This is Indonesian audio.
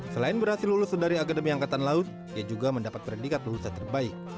selain berhasil lulus dari akademi angkatan laut ia juga mendapat predikat lulusan terbaik